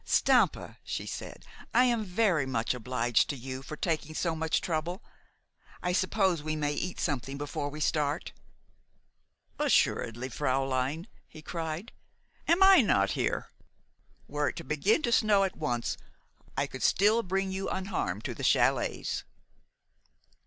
"Stampa," she said, "I am very much obliged to you for taking so much trouble. I suppose we may eat something before we start?" "Assuredly, fräulein," he cried. "Am I not here? Were it to begin to snow at once, I could still bring you unharmed to the chalets."